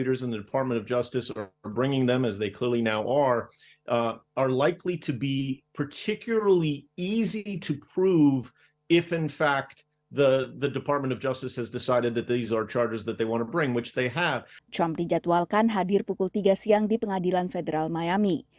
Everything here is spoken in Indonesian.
trump dijadwalkan hadir pukul tiga siang di pengadilan federal mayami